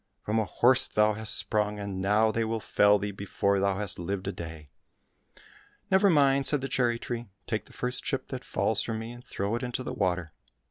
From a horse hast thou sprung, and now they will fell thee before thou hast lived a day !"—" Never mind," said the cherry tree ;" take the first chip that falls from me, and throw it into the water."